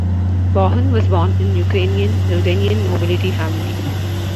Bohun was born in Ukrainian-Ruthenian nobility family.